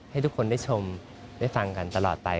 ให้ทุกคนได้ชมได้ฟังกันตลอดไป